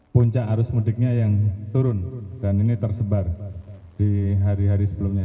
puncak arus mudiknya yang turun dan ini tersebar di hari hari sebelumnya